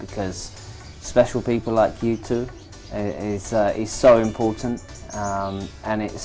karena orang orang khas seperti anda juga sangat penting